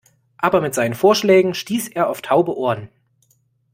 Aber mit seinen Vorschlägen stieß er auf taube Ohren.